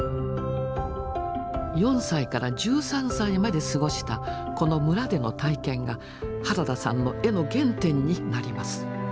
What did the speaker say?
４歳から１３歳まで過ごしたこの村での体験が原田さんの絵の原点になります。